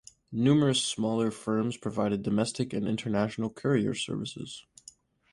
Numerous smaller firms provide domestic and international courier services.